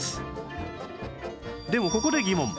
でもここで疑問